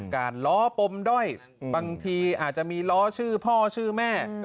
ล้อปมด้อยบางทีอาจจะมีล้อชื่อพ่อชื่อแม่